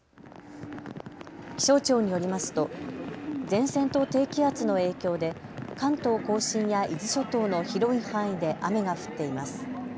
気象庁によりますと前線と低気圧の影響で関東甲信や伊豆諸島の広い範囲で雨が降っています。